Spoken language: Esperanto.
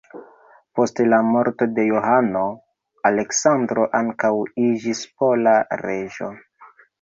Post la morto de Johano, Aleksandro ankaŭ iĝis pola reĝo.